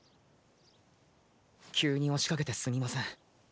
急に押しかけてすみません。